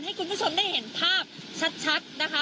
ให้คุณผู้ชมได้เห็นภาพชัดนะคะ